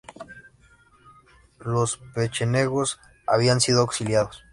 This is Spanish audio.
Los pechenegos habían sido auxiliados.